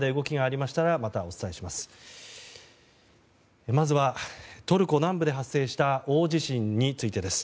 まずは、トルコ南部で発生した大地震についてです。